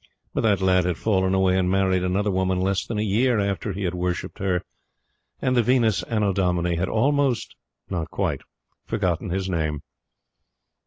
But that lad had fallen away and married another woman less than a year after he had worshipped her; and the Venus Annodomini had almost not quite forgotten his name.